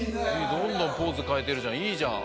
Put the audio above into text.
どんどんポーズかえてるじゃん。